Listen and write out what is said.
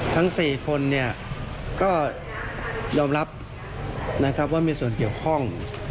ทั้ง๔คนก็ยอมรับนะครับว่ามีส่วนเกี่ยวข้อง